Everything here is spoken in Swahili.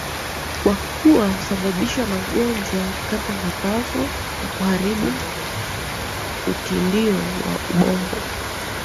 kwa kuwa husababisha magonjwa kama mapafu na kuharibu utindio wa ubongo